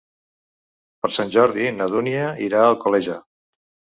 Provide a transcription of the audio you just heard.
Per Sant Jordi na Dúnia irà a Alcoleja.